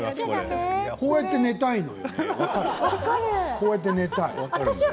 こうやって寝たいのよね。